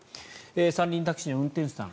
三輪タクシーの運転手さん。